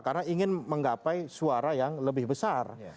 karena ingin menggapai suara yang lebih besar